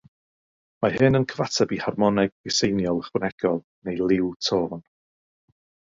Mae hyn yn cyfateb i harmoneg gyseiniol ychwanegol neu “liw tôn”.